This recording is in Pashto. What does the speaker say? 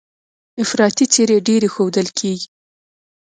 افراطي څېرې ډېرې ښودل کېږي.